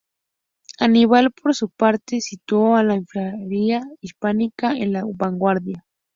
Aníbal por su parte situó a la infantería hispana en la vanguardia.